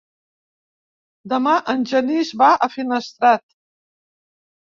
Demà en Genís va a Finestrat.